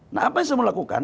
nah apa yang semua lakukan